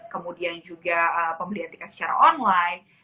kemudian juga pembelian tiket secara online